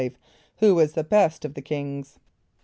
= Who was the best of the kings?